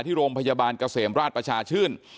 ที่โรงพยาบาลเกษมราชประชาชื่น